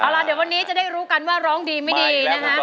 เอาล่ะเดี๋ยววันนี้จะได้รู้กันว่าร้องดีไม่ดีนะฮะ